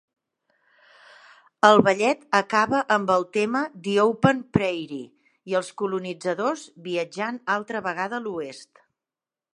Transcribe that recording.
El ballet acaba amb el tema "The Open Prairie" i els colonitzadors viatjant altra vegada a l'Oest.